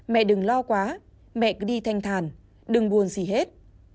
mẹ đừng lo quá mẹ cứ đi thanh thàn đừng buồn gì hết